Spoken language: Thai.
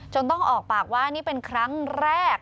ต้องออกปากว่านี่เป็นครั้งแรก